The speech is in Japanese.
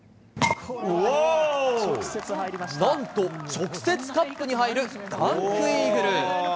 なんと直接カップに入る、ダンクイーグル。